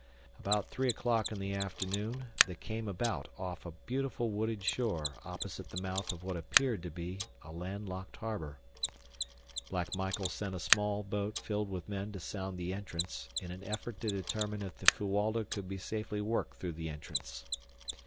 About three o'clock in the afternoon they came about off a beautiful wooded shore opposite the mouth of what appeared to be a land locked harbor. Black Michael sent a small boat filled with men to sound the entrance in an effort to determine if the Fuwalda could be safely worked through the entrance.